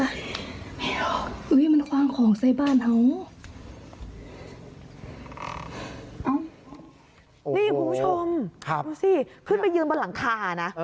นี่คุณผู้ชมดูสิขึ้นไปยืนบนหลังคานะ